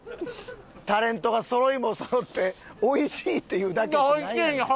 タレントがそろいもそろって「美味しい」って言うだけってなんやねん。